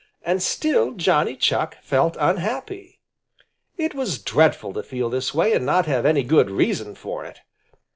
And still Johnny Chuck felt unhappy. It was dreadful to feel this way and not have any good reason for it.